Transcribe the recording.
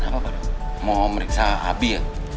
mau meriksa abi ya